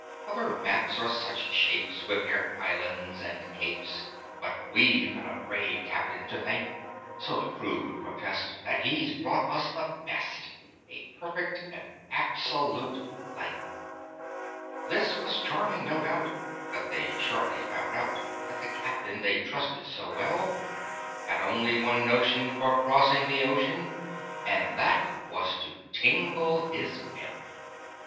"Other maps are such shapes, with their islands and capes! But we've got our brave Captain to thank:" (So the crew would protest) "that he's bought us the best A perfect and absolute blank!" This was charming, no doubt; but they shortly found out That the Captain they trusted so well Had only one notion for crossing the ocean, And that was to tingle his bell.